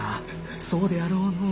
そうであろうのう。